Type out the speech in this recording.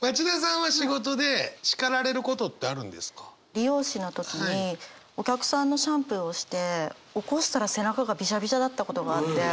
理容師の時にお客さんのシャンプーをして起こしたら背中がビシャビシャだったことがあって。